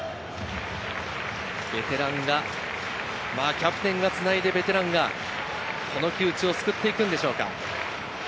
キャプテンがつないでベテランが、この窮地を救っていくんでしょうか？